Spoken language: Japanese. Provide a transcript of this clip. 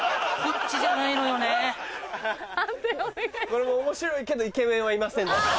これも面白いけどイケメンはいませんでした。